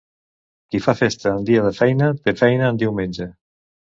Qui fa festa en dia de feina, té feina en diumenge.